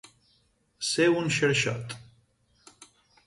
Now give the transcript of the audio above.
Ser un xarxot.